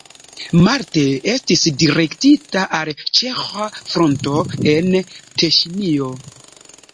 Marte estis direktita al ĉeĥa fronto en Teŝinio.